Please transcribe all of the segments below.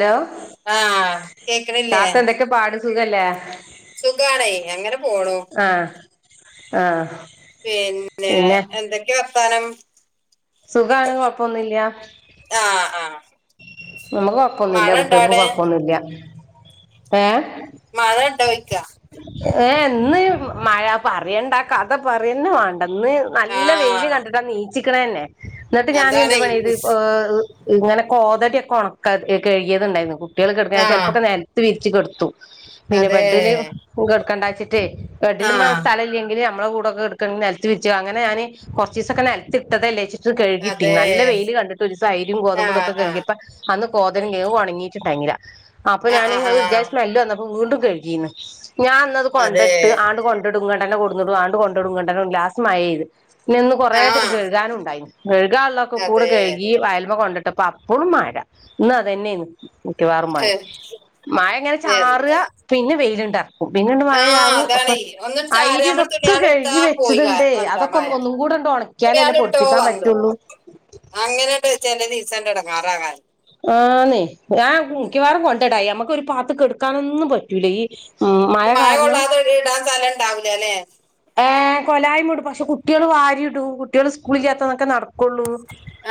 Hello ആഹ് കേക്കണില്ലേ താത്ത എന്തൊക്കെ പാട് സുഖല്ലേ സുഖാണേ അങ്ങനെ പോണു ആഹ് ആഹ് പിന്നെ എന്തൊക്കെയ വർത്താനം സുഖാണ് കൊഴപ്പൊന്നുല്ലാ ആഹ് ആഹ് നമ്മക്ക് മഴ കൊഴപ്പൊന്നുല്ല ഉണ്ടോ കുട്ടിയെക്കും അവിടെ കൊഴപ്പൊന്നുല്ല ഏഹ് മഴ ഇണ്ടോയിക്കാ ഏ എന്ന് മഴ പറയണ്ട കഥ പറയന്നെ വേ ഇന്ന് നല്ല വെയില് ആഹ് കണ്ടിട്ടാ നീച്ചിക്കണന്നെ എന്നിട്ട് ഞാൻ എന്ത് അതാണേ വേണം ഇത് ഇങ്ങനെ കോതല് ഒണക്ക കഴുകിയതുണ്ടായിരുന്നു കുട്ടിയാള് കെടക്കാച്ച ആഹ് ചെലപ്പൊക്കെ നെലത്ത് വിരിച്ച് കെടത്തും പിന്നെ അതെ ബെഡില് കെടക്കണ്ടാച്ചിട്ട് ബെടിലുമേ ആഹ് സ്ഥലോല്ലെങ്കില് നമ്മള കൂടെ കെടക്കാൻ നെലത്തു വിരിച്ച് അങ്ങനെ ഞാന് കൊറച്ചിസൊക്കെ നിലത്തിട്ടതല്ലേച്ച് ഇത് കഴുകിട്ടി അതെ നല്ല വെയില് കണ്ടിട്ട് ഒരെസ്സം അയിലും ഗോതമ്പും ആഹ് ഇതൊക്കെ കഴുകി ആഹ് ഇപ്പ അന്ന് ഗോതര് ഗേബും ഒണങ്ങീട്ട് കൈഞ്ഞില്ല അപ്പോ ആഹ് ഞാന് ആഹ് അത് ഒരുജാതി ആഹ് സ്മെല്ല് വന്നപ്പോ വീണ്ടും കഴുക്കീന്ന് ഞാൻ ഇന്നത് അതെ കൊണ്ടിട്ട് ആണ്ട് കൊണ്ട് ഇങ്ങടെന്നെ കൊടുന്നിട്ടും ആണ്ടുകൊണ്ടിടും ഇങ്ങട്ടെന്നെ കൊണ്ട് ലാസ്റ്റ് മഴപെയ്ത് പിന്നാ ഇന്ന് കൊറേസത്തെ ആഹ് കഴുകാനും ഉണ്ടായിരുന്നു കഴുകാള്ളതൊക്കെ കൂട അതെ കഴുക്കി അയലുമ കൊണ്ടിട്ടപ്പ അപ്പഴും മഴ ഇന്ന് അതെന്നെയാണ് മിക്കവാറും ഹ്, ഉമ്മാന മഴ ഇങ്ങനെ എന്താ ചാറുവാ പിന്നെ വെയിലുണ്ട പിന്നങ്ങോട്ട് മഴ ആഹ് ചാറും അപ്പ അതാണേ ഒന്നും ചാരിയ നമ്മൾ അയിരിതൊക്കെ തുണിയാൾ എടുത്താ കഴുകി പോയി കാ- വെച്ചതുണ്ടേ എന്താ അതൊക്കെ മഴ ഒന്ന് ഒന്നും കൂടെ തുണിയാൾ ഉണക്കിയാലല്ലേ ഇട്ടോ പൊടിപ്പിക്കാൻ വന്നു പറ്റുള്ളൂ അങ്ങനെണ്ട് ചെലദിവസം എടങ്ങാറാകാൻ ആന്നെ ഞാൻ മിക്കവാറും കൊണ്ടടായി ഞമ്മക്ക് ഒരു പാത്ത് കെടക്കാനൊന്നും പറ്റൂല ഈ ഉം മഴ മയ കാരണം കൊള്ളാത്തൊരു ഇടാൻ സ്ഥലം ഇണ്ടാവുലല്ലേ ഏ കൊലായ്മ ഇടും പക്ഷെ കുട്ടിയാള് വാരി ഇടും കുട്ടിയള് സ്കൂളിലില്ലതതൊക്കെ നടക്കും കുള്ളൂ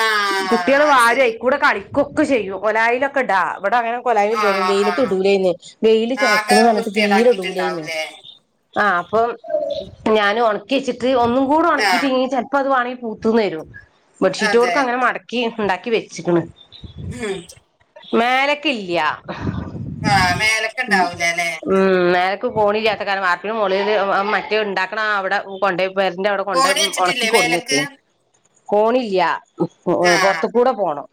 ആ കുട്ടിയള് അത് വാരി ശരി ആയിക്കൂടെ കളിക്കൊക്കെ ചെയ്യും കൊലായിലൊക്കെ ഇടാ ഇവിടെ അങ്ങനെ കൊലയ് ആ ഇല്ല്യരുന്നു ആ വെയിലത്തു ഇടുലയ്ര്ന്നെ വെയില് ആകെ ചെളായ്ക്കണപറഞ്ഞിട്ട് തീരെ ഇടുലയ്ന്നു വൃത്തികേടാക്കിയിട്ടുണ്ടാവൂലേ ആ അപ്പം ഞാനു ഒണക്കി വച്ചിട്ട് ഒന്നും കൂടെ ആ ഒണക്കിട്ടില്ലങ്കി ചിലപ്പോ അത് വേണെങ്കി പൂത്തുന്ന് വരും അതെ ബെഡ്ഷീറ്റോടുക്ക അങ്ങനെ മടക്കി ഉണ്ടാക്കി വെച്ചക്കണ് ഉം മേലക്കില്ല്യ ആ മേലക്ക് ഉം ഉണ്ടാവൂല അല്ലെ ഉം മേ ക്ക് ഫോണില്ലാത്ത കാരണം ആർക്കില് മോളെല് ആഹ് മറ്റേ ഉണ്ടാക്കണ അവിടെ കൊണ്ടയ് വെറിന്റെറ്അവിടെ കൊണ്ട് കോണി മു ഉണക്കി വെച്ചിട്ടില്ലേ മേലക്ക് കൊടുന്നച്ചേ കോണില്ല ആ പൊറത്ത് കൂടെ പോണം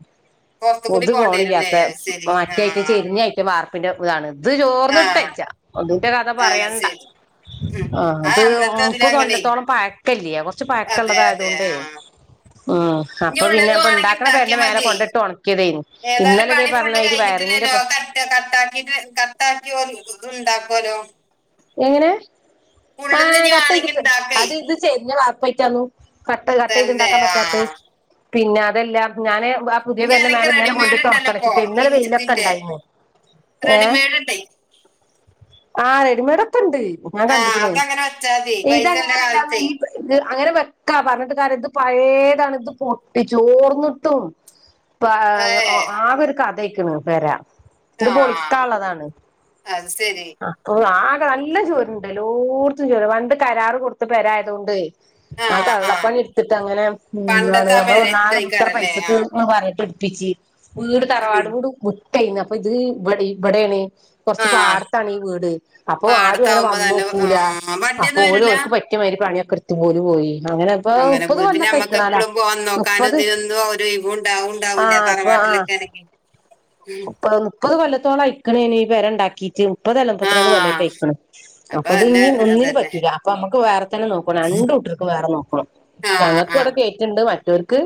പുറത്തു കൂടി പുതു പോണ്ടി വരൂല്ലേ കോണിയാത്ത അത് ശരി ആ മറ്റായിട്ട് ചെരിഞ്ഞായിട്ട് വാർ പിന്നെ ഇതാണ് ഇത് ആ ചോർന്നിട്ടേ ഇല്ല ഒന്ന്റ്റെ കഥ അത് പറയണ്ട ശരി ഉം ആഹ് ആ ഇത് അന്നത്തെ അതില് മുപ്പ് അങ്ങനെ കൊല്ലത്തോളം പായക്കില്ല്യെ കൊറച്ച് അതെ പായക്കൊള്ളതായതു അതെ കൊണ്ടേ ആ ഉ ഇനി അപ്പൊ പിന്നെ ഉള്ളത് അപ്പ ഉണ്ടാക്കണ പെരേന്റെ മേലെ കൊണ്ടിട്ട് ഉണക്കിയതേന് ഏതാലും പണി ഫുള് കഴിഞ്ഞിട്ടില്ലല്ലോ കട്ട് കട്ടാക്കിട്ട് കട്ടാക്കിഓല് [unintelligible] ണ്ടാകോലോ എങ്ങനെ ആഹ് വേണമെങ്കിൽ കട്ട്ചെയ്തിട്ടു ഉണ്ടാക്കേ അത് ഇത് ചെരിഞ്ഞ വാർപ്പായിട്ടന്നു കട്ട് കട്ട് ചെയ്ത് തന്നെ ഇണ്ടാക്കാൻ ആ പറ്റാത്തത് പിന്നെ അതെല്ലാ ഞാന് ആ പുതിയ ഇനി പെരന്റ അല്ലെങ്കിൽ മേലെ ഇന്നലെ റെഡിമെയ്ഡ് ഉണ്ടല്ലോ കൊണ്ടിട്ടൊണക്കണം ഇപ്പോ ച്ചിട്ട് ഇന്നലെ ഇൻ- വെയിലൊക്കെ ഇതിന്റെ ഉണ്ടായിന്ന് ഏഹ് റെഡിമെയ്ഡ് ഇണ്ടേ ആഹ് റെഡിമെയ്ഡ് ഒക്കെ ഇണ്ട് ഞാൻ ആ കണ്ടിക്കണ് അതങ്ങനെ വെച്ചാ മതി പൈസ ഉള്ള ഇതങ്ങനെയല്ല കാലത്തേ ഈ ബെ ബെ അങ്ങനെ വെക് ക്കാ പറഞ്ഞിട്ട് കാര്യാ ഇത് പഴേതാണ് ഇത് പൊട്ടി ചോർന്നിട്ടും പ ഏ ഒ ആ ഒരു കഥയ്ക്ക്ണ് പെരാ ഇത് ആ പൊളിക്കാള്ളതാണ് അത് ശരി അപ്പ് ആ നല്ല ചോര്ണ്ട് ല്ലോട്ത്തും ചോര് വണ്ട് കരാറ് കൊടുത്ത് പെരായതുകൊണ്ടെ ആ ആഹ് ആ കള്ളപ്പണി എടുത്തിട്ട് അങ്ങനൊ എന്താണ് പണ്ടത്തെ ആ നമ്മള് പറഞ പേര് ന്നാള ഇത്ര ഇതായിക്കാരല്ലേ ആ പൈസക്ക് എന്ന് പറഞ്ഞിട്ട് എട് പ്പിച്ചി വീട് തറവാട് ഉം. വീട് മുട്ടയ്ന്ന് അപ്പൊ ഇത് ഇടെ ഇവിടെണ് ആ കൊറച്ച് പാടത്താണ് ഈ വീട് അപ്പൊ ആരും അങ്ങനെ പാടത്താവുമ്പോ വന്നു നല്ല ആ നോക്കൂല അപ്പൊ വണ്ടിയൊന്നും ഓര് വരില്ല ഓർക്ക് പറ്റിയമാതിരി പണിയൊക്കെ എടുത്തു ഓല് പോയി അങ്ങനെ ഇപ്പൊ അങ്ങനെ മുപ്പത് പോയി പിന്നെ കൊല്ലൊക്കെ നമ്മക്ക് ആയിക്കണാലാ എപ്പോഴും പോവൻ നോക്കാനും മുപ്പത് ഇതിനൊന്നും ഒര് ഇവ്ണ്ടാവണ്ടാവൂല്ല തറവാട്ട അതിലൊക്കെ ആണെങ്കി പ്പ മുപ്പത് കൊല്ലത്തോളം അയിക്കണേന് ഈ പെര ഉണ്ടാക്കീട്ട് മുപ്പതല്ല ആ മുപ്പത്തിരണ്ട് കൊല്ലറ്റെയ്ക്കണ് അപ്പൊ അത് നല്ല ഇഞ്ഞി ഒന്നിന് അതന്നെ പറ്റൂല്ല അപ്പൊ നമ്മുക്ക് വേറെ തന്നെ നോക്ക രണ്ടും കുട്ടർക്ക് വേറെ നോക്കണം ആ ഞങ്ങക്ക്‌ ആ ഇവിടെ കേറ്റ്ണ്ട് മറ്റവർക്ക്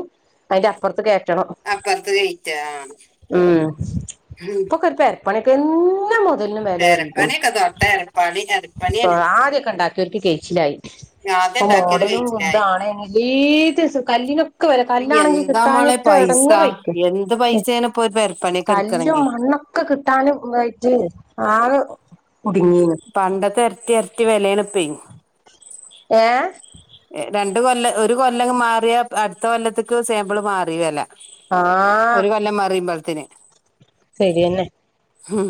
അതിന്റെ അപ്പുറത്ത് കേറ്റണം അപ്പുറത്ത് കഴിച്ചാ ഉം ഉം പ്പൊക്കെ ഒരു പെരപ്പണിക്കന്നെ മു അതല്ലും വേലെറങ്ങിപോണ് പേരപ്പണിയൊക്കെ തൊട്ട എരപ്പാളി എരപ്പണിയാണ് ആദ്യൊക്കെ ഉണ്ടാക്കിയവർക്ക് കേച്ചിലായി ആദ്യം ഉണ്ടാക്കിയത് മോഡലും കഴിച്ചിലായി കുന്താണെങ്കില് ഏത് സ് കല്ലിനൊക്കെ വെല കല്ലാണെങ്കി കിട്ടാ ളെ പൈസ എന്ത് പൈസയാണ് ഇപ്പോ പേരപ്പ കല്ലും മണ്ണൊക്കെ കിട്ടാനും ആയിട്ട് ആകെ കുടുങ്ങീന് പണ്ടത്തെ എരട്ടി എരട്ടി വെലേണിപ്പേ ഏഹ് രണ്ട് കൊല്ലം ഒരു കൊല്ലംങ് മാറിയാ അടുത്ത കൊല്ലത്തക്ക് സാമ്പിള് മാറി വെല ഒരു കൊല്ലം മറിയുമ്പോഴത്തിന് ശരിയെന്നെ ഉം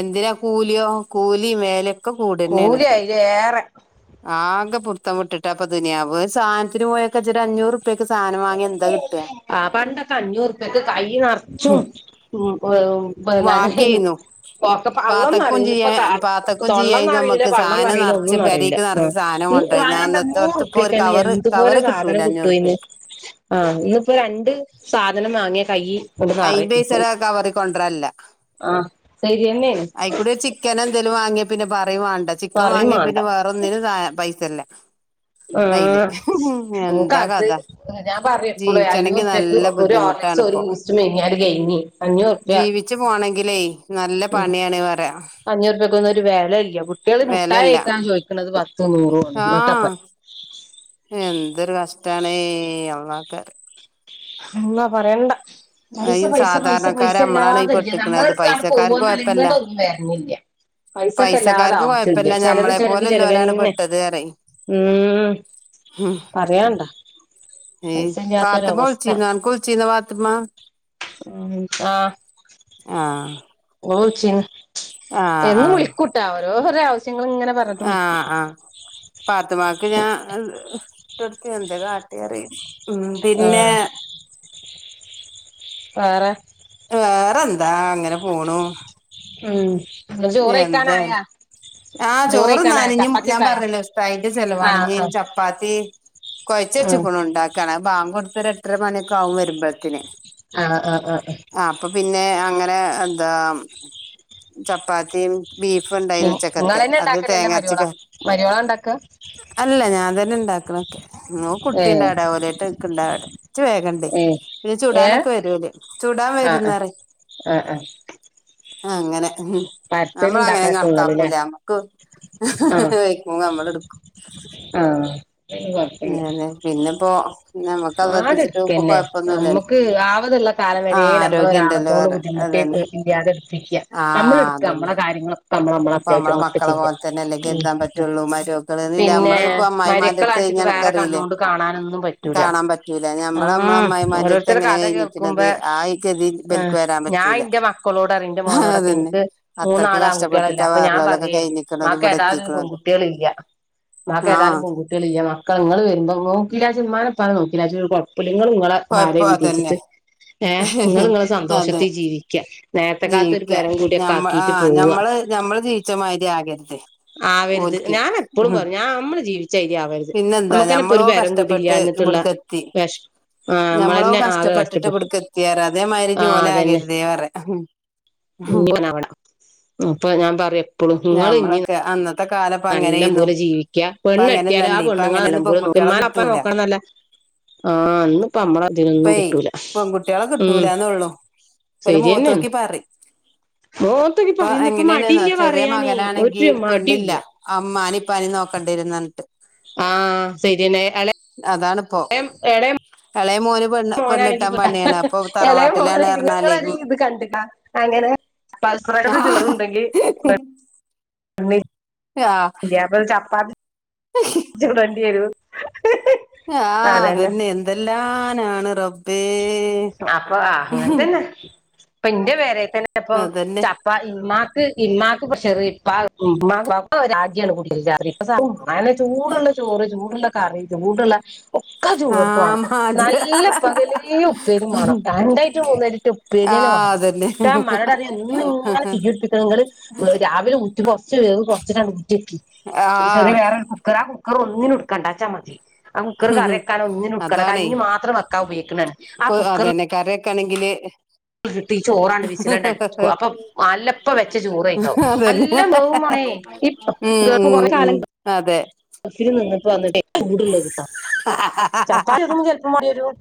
എന്തിനാ കൂലിയോ കൂലി മേലെ ഒക്കെ കൂടെന്നെണ് കൂലി അയില് ഏറെ ആമ് ക്ക പുടുത്തം വിട്ട്ട്ട പ്പൊ ദുനിയാവ് ഒര്സാനത്തിന് പോയൊക്കെച്ച് അഞ്ഞൂറ് ഉറുപ്പ്യക്ക് സാധനം വാങ്ങിയ എന്താ കിട്ടുക ആ പണ്ടൊക്കെ അഞ്ഞൂറുപൈക്ക് കൈ നിറച്ചും ഉം എ ബനാനെ വാക്കിയേന്നു ക്കെ പാത്തക്കും പള്ളംന്നറയിന്ന് ചെയ്യാ ഇപ്പൊ കാള് പാത്തക്കും തൊള്ള ചെയ്യായിരുന്നു ന്നറയില നമ്മുക്ക് പള്ളം ന്നറയില ഒന്നും നറയൂല്ല ഓന്ടൈ ഞാനത് ഊറുപ്യക്കെന്ന എന്ത്പോലെ സാധനം കിട്ടുവൈന്ന് അഞ്ഞൂറുപ്യക്ക് ആഇന്നിപ്പോ രണ്ട് സാധനം വാങ്ങിയ കയ് അയിമ്പൈസേട കവറി കൊണ്ട്വരനില്ല ആ അയിക്കൂടെ ചിക്കൻ എന്തേലും വാങ്ങിയ പിന്നെ പ യും വേണ്ട ചിക്കൻ പറയും വാങ്ങിയ വേണ്ട പിന്നെ വേറ ഒന്നിനും സ പൈസല്ല അയില് ഉം എന്താ ഓക്കത് കഥ ഞാൻ പറയും എപ്പളും ജീവിച്ചണെങ്കി അഞ്ഞൂറുപ്യക്ക് നല്ല ഒരു ബുദ്ധിമുട് ഹോർലിക്സ് ഒരു ട്ടാണിപ്പോ ബൂസ്റ്റ് മേങ്ങിയാല് കഴിഞ്ഞ് അഞ്ഞൂറുപ്യ ജീവിച്ചു പോണെങ്കിലേ നല്ല പണിയാണെ പറയാ അഞ്ഞൂറ്പ്യക്കൊന്നും ഒരു വെലല്ല്യ കുട്ട്യള് മുട്ടായിയെക്കാൻ ചോദിക്കണത് പ ഹാ എന്തൊരു കഷ്ടാണെ എള്ളാക്കാര് എന്നാ പറയണ്ട പൈസ ഈ പൈസ പൈസ പൈസ സാധാരണക്കാര് നമ്മളാണ് ഈ ഇല്ലാതല്ല പെട്ടിക്കണത് നമ്മളടുത്തങട് പൈസക്കാർക്ക് പോവന്നാല കൊഴപ്പല്ല ഇങ്ങട ഒന്നും വരണില്ല്യ പൈസക്കല്ലാതെ പൈസക്കാർക്ക് ആവശ്യം ഇില്ല കൊഴപ്പല്ല ചെലവ് ഞമ്മളെ ചെലവ് പോലെല്ലോലാണ് ചെലവ്ന്നെ പെട്ടത് പറയും ഉം പറയണ്ടാ ഏ പാത്തമ വിളിച്ചി നക്ക്ളിച്ചിന്ന വാത്തമാ ഉം ആ ആഹ് ഓ ചിനി ആഹ് എന്നു വിളിക്കൂട്ടാ ഓരോ [unintelligible] ആ ആ പാത്തുമാക്ക് ഞാൻ [unintelligible] റി ഉം പിന്നെ ആഹ് വേറെ വേറെന്താ അങ്ങനെ പോണു ഉം ചോറ്ക്കാനായ ആ ചോറ്ന്നാന് ഇഞ്ഞും ഞാമ്പറഞ്ഞില്ലേ ഉസ്തായിന്റ ചെലവാണ് ആഹ് ഇഞ്ഞി ആഹ് ചപ്പാത്തിം കൊയച്ച ഉം വെച്ചപ്പണ് ഉണ്ടാക്കാണ് ബാങ്ക് കൊടുത്തൊരെട്ടര മണിയക്കാവു വരുമ്പോഴത്തന് ആഹ് ആഹ് ആഹ് ആ അപ്പൊ പിന്നെ അങ്ങനെ പി എന്താ ചപ്പാത്തിയു ബീഫ്ണ്ടായിന്നു ഉച്ചക്കത്തെ നിങ്ങളന്നെ അത് ഉണ്ടാക്കലല്ലേ തേങ്ങാരച്ചക്ക മരിയോളാ മരിയോളാ ഉണ്ടാക്ക അല്ലല്ല ഞാൻ തന്നെ ഇണ്ടാക്കണത്രെ ഒക്കെ ന ഏഹ് കുട്ടിണ്ടാട ഏഹ് [unintelligible] ഏഹ് ചുടാനൊക്കെ വരൂല്ലേ ചൂടാൻ വരുന്നറയ ആ ആ അങ്ങനെ അമ്മളങ്ങനെ ഉണ്ടാക്കലൊക്കെ നിങ്ങള് ല്ലേ കണക്കാപ്പൂല അമ്മക്ക് ആഹ് വയ്ക്കുമ നമ്മളെടുക്കും കൊറപ്പില്ല നമ്മക്കത് ആടെ എത്തിച്ചിട്ട് ഇപ്പൊ എടുക്കന്നെ കൊഴപ്പൊന്നുല്ലല്ലോ അമ്മുക്ക് ആവത് ള്ള കാലം ആ വരേം ആരോഗ്യം ഉണ്ടല്ലോ നമ്മളൊരാളക്കൊണ്ട് വേറെ ബുദ്ധിമുട്ടി അതന്നെ ഇല്ലാതെ എടുപ്പിക്ക്യ നമ്മ നമ്മളെ കാര്യങ്ങളൊ ഇപ്പമ്മള മക്കളെപോലെ തന്നെ അല്ലെങ്കി ഉം എന്താൻ പറ്റുള്ളൂ മര്മക്കള് ന്നില്ല പിന്നെ അമ്മള് ഇപ്പ മരക്കള അമ്മായിമാരത്തെ അണിച്ചിട്ട് വേറെ നക്കറില്ലേ കണ്ണോണ്ട് കാണാനൊന്നും പറ്റൂല കാണാൻ പറ്റൂല ഞമ്മളമ്മള ഉം അമ്മായിമാന്റെത്ത് ഓരോരുത്തരുടെ എങ്ങനെ കഥ കൈഞ്ഞിക്ക്ന്നത് കേൾക്കുമ്പോ ആയി ഏഹ് ഗതിലിബലക്ക് വരാൻ ഞാൻ പറ്റൂല എന്റെ മക്കളോട് പറയും എന്റെ മോനോടൊക്കെ അതന്നെ എനിക്ക് അത്രയ്ക്ക് മൂന്നാള് കഷ്ടപ്പെട്ട് ആൺകുട്ടികളല്ലേ അപ്പൊ ഞാൻ പറയേ മ്മാക്ക് ഏതാരു എത്തിക്കണത് പെൺകുട്ടികളില്ല മ്മാക്ക് ആ ഏതാലും പെൺകുട്ടികളില്ല്യ മക്കൾ നിങ്ങള് വരുമ്പോ നോക്കിലാന്ന്വച്ച് മ്മാനെ ഉപ്പാനെ നോക്കിലാന്ന്വച്ച് ഒരു കൊഴ പുലുങ്ങളും ഇങ്ങളെ ഭാര്യ കൊഴപ്പം അതന്നെ വിജയ്ച്ചിട്ട് ഏഹ് നിങ്ങള് നിങ്ങളെ അതെ സന്തോഷത്തി ജീവിക്ക നേരത്തെ കാത്തൊരു പെരേം കൂടിയൊക്ക ആ ആഹ് ഞമ്മള് ഞമ്മള് ജീവിച്ചമാതിരി ആകരുത് ആവരുത് ഓൽക്ക് ഞാൻ എപ്പോഴും ഉം പറഞ്ഞു ഞാൻ നമ്മള് ജീവിച്ചരി ആവരുത് നമ്മുക്കന്നെപ്പൊ ഒരു പെരേം കൂടില്ല ഇന്ന് ഇബടെക്കെത്തി ഞമ്മളോ നമ്മളന്നെ ആകെ കഷ്ടപ്പെട്ടിട്ട് കഷ്ടപ്പെട്ടു ഇബടെക്ക് എത്തിയോറ് അതേമാതിരി ആഹ് ഓലെ അതന്നെ ആകരുതേ പറ ഉം [unintelligible] അപ്പൊ ഞാൻ പറയാ എപ്പളും നിങ്ങള് ഇഞ്ഞി ഞമ്മളൊക്കെ അന്നത്തെ കാലം ഇപ്പ നല്ല അങ്ങനെയ്ന്നു പോലെ ജീവിക്ക ഇപ്പ പെണ്ണെട്ടിയാല ആ അങ്ങനെയൊന്നല്ലേ ഇപ്പ പെണ്ണുങ്ങളെ അങ്ങനെയൊന്നും നല്ലപോല നോക്ക പെൺകുട്ടികളെ മ്മാനെ ഇപ്പനേം കിട്ടൂല നോക്കണംന്നല്ല ആഹ് അന്നിപ്പ നമ്മളെ അതിനൊന്നും ഇപ്പേയ് കിട്ടൂല ഉം ഓര് ശരിയെന്നെണ് മുഖത്തോക്കി പറയും മോത്തൊക്കെ ഇപ്പ പറയുന്നപ്പ എങ്ങനെയാണ്ന്നോ മടിയില്ല ചെറിയ പറയാനേ മകനാണെങ്കി ഒരു പെണ്ണില്ല മടിയില്ല മ്മാനിം ഇപ്പനേം നോക്ക കണ്ടിരുന്നിട്ട് ആഹ് ശെരിന്നെ എളെ എളെ എളയമോന് മോനാണങ്കി [unintelligible] തറവാട്ടിലാണ് എളയമോനാ ങ്ങൾ പറഞ്ഞാലേ ഉം ഇത് കണ്ട്ക്കാ അങ്ങനെ പൽപ്പറ [unintelligible] ആഹ് ചോറുണ്ടെങ്കി [unintelligible] ആഹ് ചപ്പാത്തി ചൂടേണ്ടി വരും ആഹ് അതന്നെ എന്തെല്ലാനാണ് റബ്ബേ അപ്പൊ അങ്ങനെ തന്നെ ഇപ്പ എന്റെ പേരെ തന്നെ ഇപ്പം അതന്നെ ചപ്പ മ്മാ ഇമ്മാക്ക് പ്രഷർ ഇപ്പ ഉമ്മാ [unintelligible] ഇപ്പാങ്ങനെ ചൂടുള്ള ചോറ് ചൂടുള്ള കറി ചൂടുള്ള ഒക്കെ ചൂട് ആഹ് എടുക്കുവാണ് മാജിദ് നല്ല പകലയും ഉപ്പേരിം മാണം രണ്ടായ്റ്റം മൂന്നയ്റ്റേറ്റെ ഉപ്പേരിയെന്നെ ആഹ് വാണം അതന്നെ ട്ടാൻ മ്മാനോടറയാ എന്നുംങ്ങനെ തിയ്യുട്പ്പിക്കണ ങ്ങള് രാവിലെ ഉറ്റു ച്ച് വേവ് കൊർച്ച്കാണ്ട്‌ അങ്ങട് ഊറ്റി വെക്കും ആഹ് ചെറിയ വേറെ ഒരു കുക്കർ ആ കുക്കർ ഒന്നിനും ട്ക്കണ്ടച്ചാ മതി ആ കുക്കറ് കറി വക്കാനും ഒന്നിനുട്ക്കണ്ട അതാണേ കഞ്ഞി മാത്രം വെക്കാൻ ഉപോഗിക്കണാണ് അതന്നെ കറിയെക്കാണെങ്കില് ചോറാണ് വിസിലണ്ട്‌ അട്പ്പിക്കും അപ്പൊ നല്ലപ്പവെച്ച ചോറ്ണ്ടാവും അതന്നെ നല്ല വേവും വേണം ആണേ ഇപ്പം ഉം [unintelligible] ഉം കൊറേ ഉം കാലം അതെ [unintelligible] നിന്നു വന്നിട്ടേ ചൂടുള്ള തിന്ന ചപ്പാത്തി ഒന്ന് ചെൽപ്പം മാണ്ടിയേരും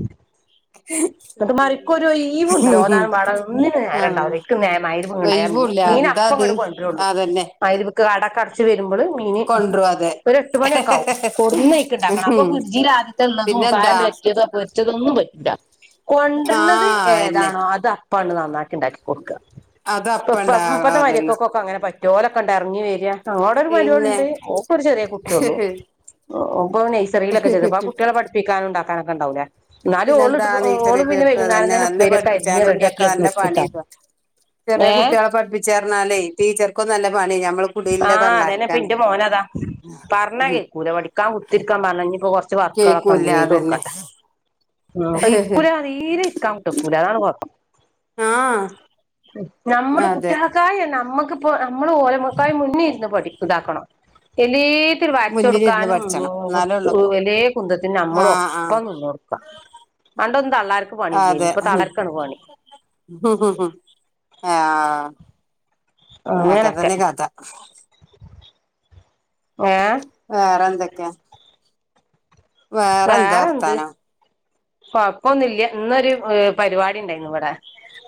[unintelligible] ഒരു ഒയിവുണ്ടാവൂല ഓതാനും പാടാനും ഒന്നിനും നേരാണ്ടാവില്ല അള്ളാ എന്ക്ക് മഗ്‌രിബ് [unintelligible] ഒഴിവൂല്ല മീൻ എന്താ അത് അപ്പങ്ങട്ട് കൊണ്ടരുള്ളു അതന്നെ മയ്രിബ്ക്ക് കടക്കെ അടച്ച് വരുമ്പള് മീന് കൊണ്ടരും അതെ ഒരു എട്ട് മണിയൊക്കാകും കൊടുന്നേയ്ക്ക്ണ്ടാക്കണം അപ്പൊ ഉം ഫ്രിഡ്ജില് ആദ്യത്തെ ഒള്ളതും പിന്നെന്താ കായം പൊരറ്റിയതോ പൊര്ച്ചതൊന്നും പറ്റു ണ്ട കൊണ്ടര്നത് ആഹ് അയെന്നെ ഏതാണോ അത് അപ്പാങ്ങാട് നന്നാക്കി ഒണ്ടാക്കി കൊടുക്ക അത് പ്പ പ്പ അപ്പണ്ടാവും പ്പത്തെ അതന്നെ മരൊക്കൊക്കൊക്കെ അങ്ങനെ പറ്റോ ഓലൊക്കെണ്ടോ ഇറങ്ങി വര അടെ ഒരു പിന്നെ മരോള്ണ്ട് ഓക്കൊരു ചെറിയ കുട്ടിയൊള്ളു ഇപ്പോ നൈസറിയിലൊക്കെ ചേർത്ത്ക്ക്ണ് പ്പാ കുട്ട്യാളെ പട്പ്പിക്കാനും ണ്ടാക്കാനൊക്കണ്ടാവൂലെ ന്നാലും ഓള് പിന്നെന്താ നെയ്സറി ഓളും പിന്നെ ചേർത്ത് വൈകുന്നേരം അതന്നെ തന്നെ നല്ല ഉപ്പേരി ഒക്കെ അരിഞ്ഞ് പഠിപ്പിച്ചാനും ഇതിനൊക്കെ നല്ല റെഡിയാക്കിയക്കുട്ടാ പണിയാ ചെറിയ കുട്ടികളെ പഠിപ്പിച്ചാർഞ്ഞാലേ ടീച്ചർക്കും നല്ല പണി ഞമ്മള് കുടിലില്ല ആഹ് തള്ളാർക്കാണ് അതന്നെപ്പിന്റെ മോനതാ പറഞ്ഞ ഉം കേക്കൂല പഠിക്കാൻ കുത്തിരിക്കാൻ പറഞ്ഞ ഇനിപ്പോ കൊർ ച്ച് വർക്കാളൊക്കെണ്ട് കേക്കൂല്ല ചെയ്ത് അതന്നെ കൊട്ക്കട്ടെ ഇരിക്കൂലാ തീരെ ഇര്ക്കാൻ കൂട്ടാക്കൂല അതാണ് കൊഴപ്പം ആഹ് ഞമ്മള് അതെ കുട്ട്യാളക്കായാണ് നമ്മക്ക്പ്പോ നമ്മള് ഓല ക്കാലിം മുന്നെ ഇരുന്ന് പഠി ഇതാക്കണം എല്ലേ ത്തിൽ മുന്നിലിരുന്ന് വര്ച്ചൊട്ക്കാനും പഠിച്ചണം എന്നാലേ ഉള്ളൂപ്പോ [unintelligible] എല്ലേ കുന്തത്തിന് നമ്മളും ആഹ് ആഹ് ഒപ്പം നിന്നൊട്ക്കണം പണ്ടൊന്നും തള്ളാർക്ക് പണില്ലേനു ഇപ്പൊ തള്ളാർക്കാണ് പണി ഹും ഹും ഹും ആഹ് ആക്കെ അങ്ങനൊക്കെ തന്നെ കഥ ഏഹ് വേറെന്തൊക്കെയാ- വേറെന്ത് വർത്താനം- കൊഴപ്പൊന്നുല്ലൃ ഇന്നൊരു പരിപാടി ഇണ്ടായിരുന്നു ഇവിടെ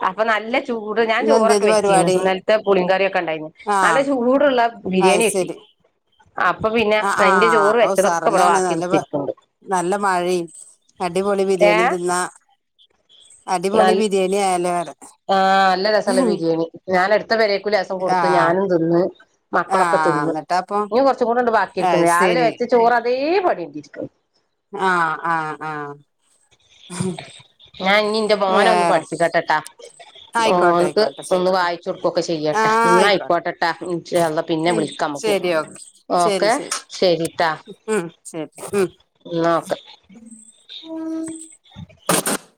അപ്പൊ നല്ല- ചൂട് ഞാൻ ചോറൊക്കെ ഇന്നെന്തേനു വെച്ചിന്ന് പരിപാടി ഇന്നൽത്തെ പുളിങ്കറിയൊക്കെ ണ്ടായിനു നല്ല ആഹ് ചൂടുള്ള അത് ബിരിയാണി കിട്ടി- ശരി അപ്പൊ പിന്നെ ആഹ് എന്റെ ആഹ് ചോറ് അപ്പൊ വെച്ചതൊക്കെ ഇവിടെ ഉസാറെന്നണ് ബാക്കി നല്ല കുത്തിരിക്ക്ണ്ട് - നല്ല മഴയും അടിപൊളി ബിരിയാണിം ഏഹ് തിന്നാ- അടിപൊളി നൽ ബിരിയാണി ആയാലോ പറ ആഹ് നല്ല രസല്ല ബിരിയാണി ഞാനടു ത്തെ പെരീക്കു ലേസം കൊടുത്ത് ആഹ് ഞാനും തിന്ന് മക്കളൊക്കെ ആഹ് തിന്ന്- എന്നിട്ടപ്പൊ ഇഞ്ഞും കൊറച്ചും കൂടണ്ട് അത് ബാക്കിരിക്ക്ണ് രാവിലെ ശരി വെച്ച ചോറ് അതേ പാടിരിക്കണ്- ആഹ് ആഹ് ആഹ്- ഞാൻ ഇഞ്ഞിന്റെ മോനെ ഒന്ന് വേറെ പഠിപ്പിക്കട്ടെട്ടാ- ആയിക്കോട്ടെ ഓൻക്ക് ആയിക്കോട്ടെ ഒന്ന് ശരി വായിച്ചു കൊടുക്കൊക്കെ ചെയ്യട്ടെ ആഹ് ആയിക്കോട്ടെ ന്നയിക്കോട്ടെട്ടാ ൻഷാള്ള പിന്നെ ഉം വിളിക്കാ- ഓക്കെ ശരി ശരി ഓക്കേ ശരി ശരിട്ടാ- ഉം ശരി ന്നാ ഓക്കെ- ഉം